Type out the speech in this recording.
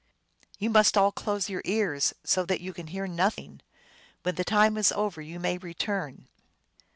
" You must all close your ears, so that you can hear nothing. When the time is over you may return."